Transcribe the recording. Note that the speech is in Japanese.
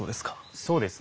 そうですか。